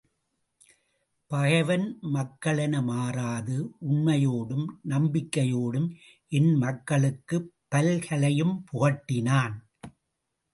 பகைவன் மக்களென மாறாது, உண்மையோடும் நம்பிக்கையோடும் என் மக்களுக்குப் பல்கலையும் புகட்டினான்.